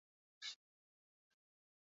Kideek, berriz, posta elektronikoz jasoko dute.